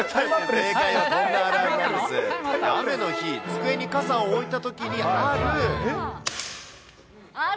正解は、雨の日、机に傘を置いたときにある。